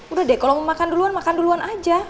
udah deh kalau mau makan duluan makan duluan aja